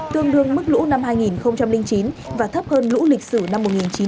tương đương mức lũ năm hai nghìn chín và thấp hơn lũ lịch sử năm một nghìn chín trăm chín mươi